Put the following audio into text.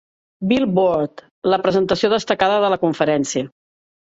"Billboard" la presentació destacada de la conferència.